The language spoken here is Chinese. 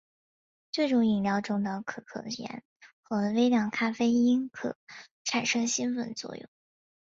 这种饮料中的可可碱和微量咖啡因可产生兴奋作用。